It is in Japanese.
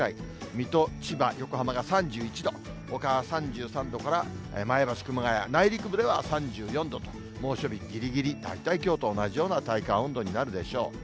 水戸、千葉、横浜が３１度、ほかは３３度から、前橋、熊谷、内陸部では３４度と、猛暑日ぎりぎり、大体きょうと同じような体感温度になるでしょう。